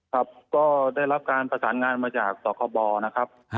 ครับก็ได้รับการประสานงานมาจากสคบนะครับ